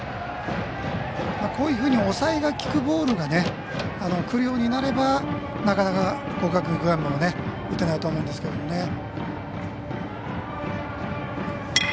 こういうふうに抑えがきくボールがくるようになればなかなか、国学院久我山の打てないと思うんですけどね。